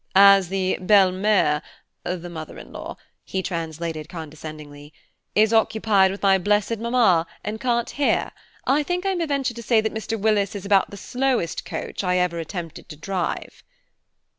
"As the belle mère, the mother in law," he translated condescendingly, "is occupied with my blessed mamma, and can' t hear, I think I may venture to say that Mr. Willis is about the slowest coach I ever attempted to drive."